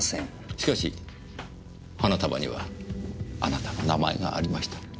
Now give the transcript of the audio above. しかし花束にはあなたの名前がありました。